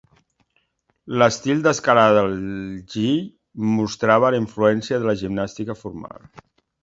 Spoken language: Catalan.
L"estil d"escalada del Gill mostrava la influència de la gimnàstica formal.